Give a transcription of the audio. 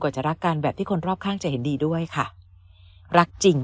จะรักกันแบบที่คนรอบข้างจะเห็นดีด้วยค่ะรักจริง